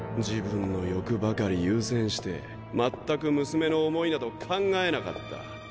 自分の欲ばかり優先して全く娘の思いなど考えなかった。